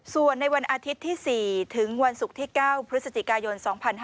ส่วนในวันอาทิตย์ที่๔ถึงวันศุกร์ที่๙พฤศจิกายน๒๕๕๙